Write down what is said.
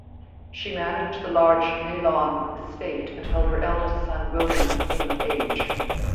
She managed the large Neylon estate until her eldest son William came of age.